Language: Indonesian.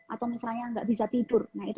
atau misalnya nggak bisa tidur nah itu